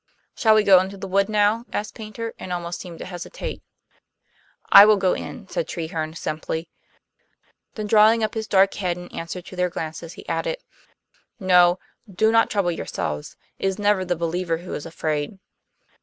"Shall we go into the wood now?" asked Paynter, and almost seemed to hesitate. "I will go in," said Treherne simply. Then, drawing up his dark head in answer to their glances, he added: "No, do not trouble yourselves. It is never the believer who is afraid."